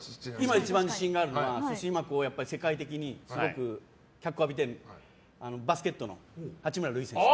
今一番自信があるのは世界的にすごく脚光を浴びているバスケットの八村塁選手。